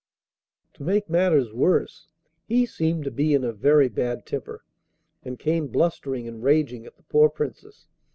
To make matters worse, he seemed to be in a very bad temper, and came blustering and raging at the poor Princess.